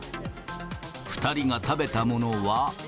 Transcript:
２人が食べたものは。